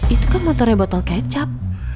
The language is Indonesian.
itu kan motornya botol kecap